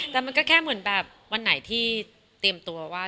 แต่มันก็แค่เหมือนแบบวันไหนที่เตรียมตัวว่า